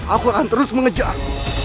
aku akan terus mengejar